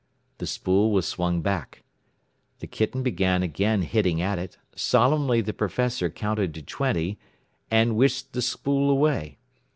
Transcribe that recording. The spool was swung back, the kitten began again hitting at it, solemnly the professor counted to twenty, and whisked the spool away.